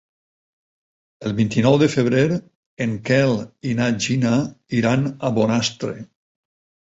El vint-i-nou de febrer en Quel i na Gina iran a Bonastre.